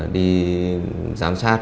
đi giám sát